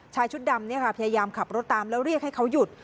ชุดดำพยายามขับรถตามแล้วเรียกให้เขาหยุด